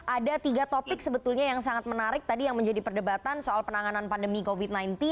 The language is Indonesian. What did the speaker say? ada tiga topik sebetulnya yang sangat menarik tadi yang menjadi perdebatan soal penanganan pandemi covid sembilan belas